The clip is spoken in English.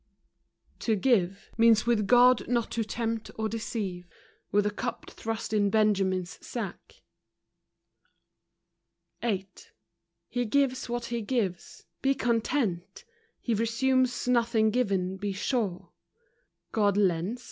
To give, . Means with God not to tempt or deceive With a cup thrust in Benjamin's sack. VIII. He gives what He gives. Be content! He resumes nothing given, be sure ! God lends